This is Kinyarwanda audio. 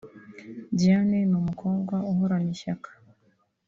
Diane ni umukobwa uhorana ishyaka